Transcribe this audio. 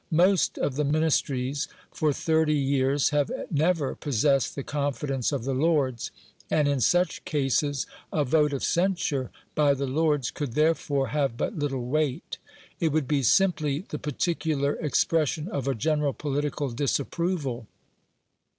Most of the Ministries for thirty years have never possessed the confidence of the Lords, and in such cases a vote of censure by the Lords could therefore have but little weight; it would be simply the particular expression of a general political disapproval.